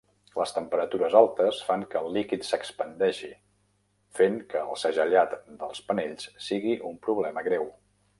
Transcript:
Les temperatures altes fan que el líquid s"expandeixi, fent que el segellat dels panells sigui un problema greu.